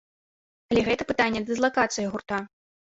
Але гэта пытанне дыслакацыі гурта.